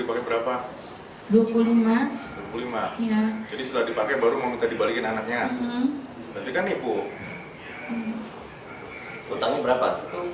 dua ribu lima ratus dua puluh lima ya jadi setelah dipakai baru mau kita dibalikin anaknya nipu utangnya berapa tiga ribu tiga puluh